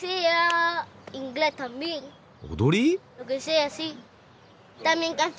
踊り？